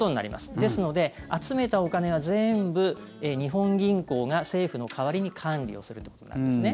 ですので、集めたお金は全部日本銀行が政府の代わりに管理をするということになるんですね。